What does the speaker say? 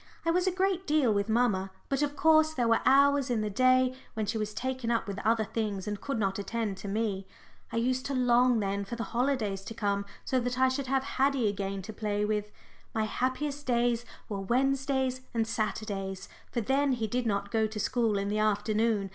I was a great deal with mamma, but of course there were hours in the day when she was taken up with other things and could not attend to me. I used to long then for the holidays to come so that I should have Haddie again to play with. My happiest days were Wednesdays and Saturdays, for then he did not go to school in the afternoon.